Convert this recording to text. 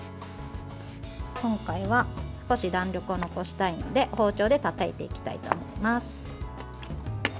今回は、少し弾力を残したいので包丁でたたいていきたいと思います。